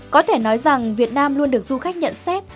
có thể nói rằng việt nam luôn được du khách nhận xét